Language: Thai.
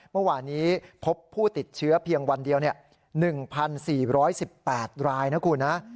เมื่อวานนี้พบผู้ติดเชื้อเพียงวันเดียว๑๔๑๘รายนะคุณนะ